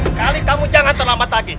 sekali kamu jangan terlambat lagi